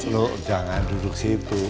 lo jangan duduk situ